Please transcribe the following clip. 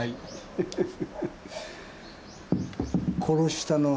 フフフフ。